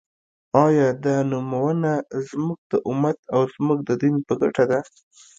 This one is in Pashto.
آیا دا نومؤنه زموږ د امت او زموږ د دین په ګټه ده؟